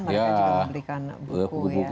mereka juga membelikan buku